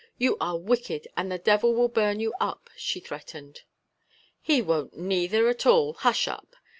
"You are wicked and the devil will burn you up," she threatened. "He won't neither, at all. Hush up!"